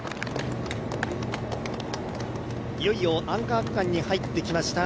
いよいよアンカー区間に入ってきました。